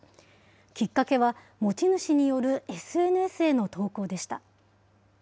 きっかけは、持ち主によるＳＮＳへの投稿でした。